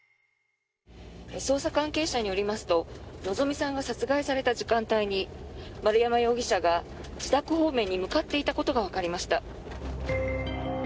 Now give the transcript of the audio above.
捜査関係者によりますと希美さんが殺害された時間帯に丸山容疑者が自宅方面に向かっていたことがわかりました。